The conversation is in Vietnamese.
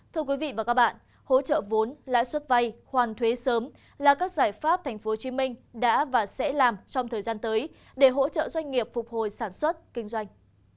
thưa quý vị và các bạn hỗ trợ vốn lãi suất vay hoàn thuế sớm là các giải pháp tp hcm đã và sẽ làm trong thời gian tới để hỗ trợ doanh nghiệp phục hồi sản xuất kinh doanh